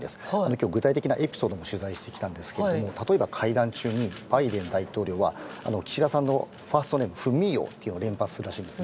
今日、具体的なエピソードも取材してきたんですが例えば会談中にバイデン大統領は岸田さんのファーストネーム文雄を連発したらしいんです。